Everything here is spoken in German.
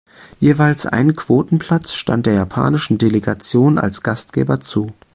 Jeweils ein Quotenplatz stand der japanischen Delegation als Gastgeber zu.